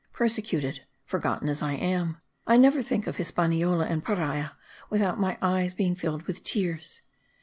Persecuted, forgotten as I am, I never think of Hispaniola and Paria without my eyes being filled with tears.